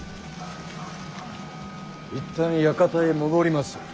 一旦館へ戻りまする。